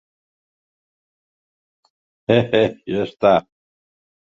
He he, ja està.